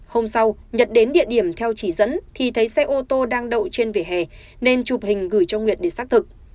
hôm sau nhật đến địa điểm theo chỉ dẫn thì thấy xe ô tô đang đậu trên vỉa hè nên chụp hình gửi cho nguyệt để xác thực